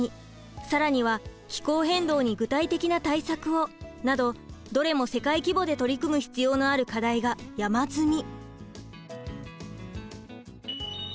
更には「気候変動に具体的な対策を」などどれも世界規模で取り組む必要のある課題が山積み。